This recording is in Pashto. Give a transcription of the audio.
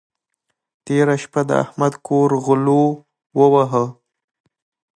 تېره شپه د احمد کور غلو وواهه.